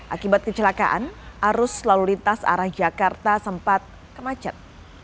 akibat kecelakaan arus lalu lintas arah jakarta sempat kemacet